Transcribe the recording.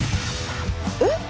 えっ？